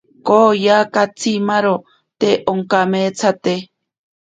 Kooya katsimaro te onkameetsate.